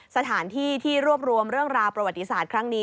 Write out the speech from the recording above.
สถานที่ที่รวบรวมเรื่องราวประวัติศาสตร์ครั้งนี้